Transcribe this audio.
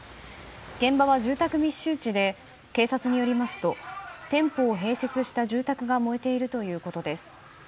現場は住宅密集地で警察によりますと店舗を併設した住宅が燃えているということです。